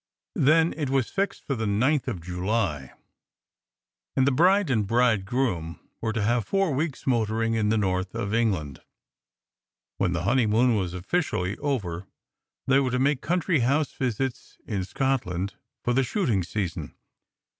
Then it was fixed for the ninth of July, and the bride and bridegroom were to have four weeks motoring in the north of England. When the honeymoon was officially over they were to make country house visits in Scotland for the shooting season.